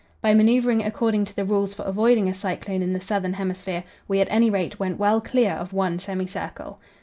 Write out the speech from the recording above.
By manoeuvring according to the rules for avoiding a cyclone in the southern hemisphere, we at any rate went well clear of one semicircle.